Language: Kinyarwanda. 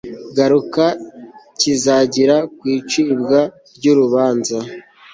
ngaruka kizagira ku icibwa ry urubanza